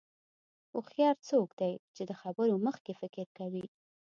هوښیار څوک دی چې د خبرو مخکې فکر کوي.